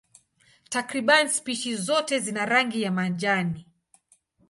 Takriban spishi zote zina rangi ya majani.